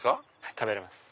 食べれます。